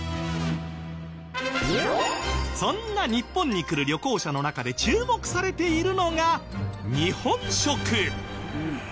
そんな日本に来る旅行者の中で注目されているのが日本食。